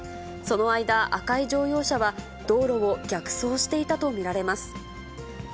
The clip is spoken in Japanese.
その間、赤い乗用車は道路を逆走していたと見られます。